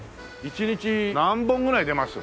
１日何本ぐらい出ます？